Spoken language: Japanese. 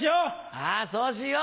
ああそうしよう。